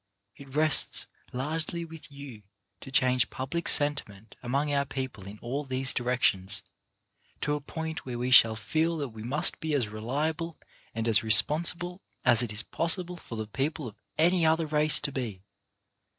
It rests largely with you to change public sentiment among our people in all these directions, to a point where we shall feel that we must be as reliable and as responsible as it is possible for the people of any other race to be.